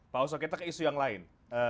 pak oso kita ke isu yang lain